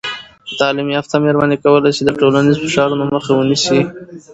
تعلیم یافته میرمنې کولی سي د ټولنیز فشارونو مخه ونیسي.